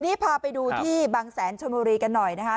นี่พาไปดูที่บางแสนชนบุรีกันหน่อยนะคะ